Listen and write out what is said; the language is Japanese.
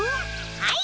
はい。